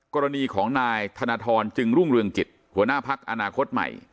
กรณีของนายธนทรจึงรุ่งเรืองกิจหัวหน้าพักอนาคตใหม่